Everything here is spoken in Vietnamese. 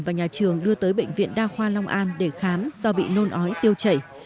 và nhà trường đưa tới bệnh viện đa khoa long an để khám do bị nôn ói tiêu chảy